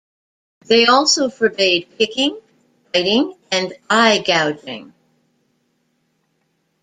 They also forbade kicking, biting and eye gouging.